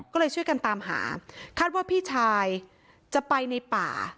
ก็เลยช่วยกันตามหาคาดว่าพี่ชายจะไปในป่า